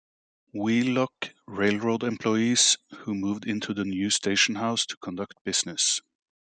Wheelock, railroad employees, who moved into the new station house to conduct business.